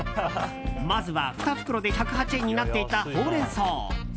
まずは２袋で１０８円になっていたほうれん草。